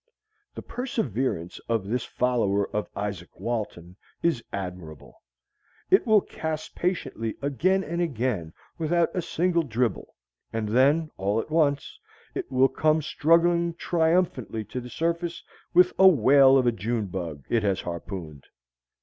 The perseverance of this follower of Izaak Walton is admirable. It will cast patiently again and again without a single dribble, and then, all at once, it will come struggling triumphantly to the surface with a whale of a June bug it has harpooned.